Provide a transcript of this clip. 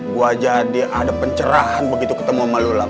gua jadi ada pencerahan begitu ketemu ama lu lap